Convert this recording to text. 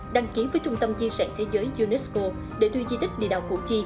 đăng ký với trung tâm di sản thế giới unesco để đưa di tích địa đạo củ chi